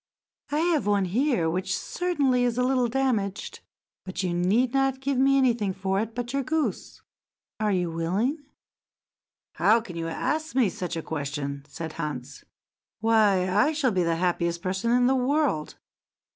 I have one here which certainly is a little damaged, but you need not give me anything for it but your goose. Are you willing?" "How can you ask me such a question?" said Hans. "Why, I shall be the happiest person in the world.